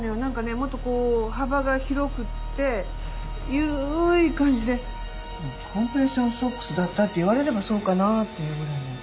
もっとこう幅が広くって緩い感じでコンプレッションソックスだったって言われればそうかなっていうぐらいの。